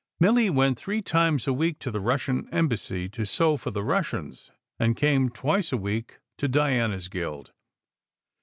Milly went three times a week to the Russian Embassy to sew for the Russians, and came twice a week to Diana s guild.